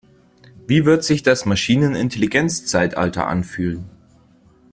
Wie wird sich das Maschinenintelligenzzeitalter anfühlen?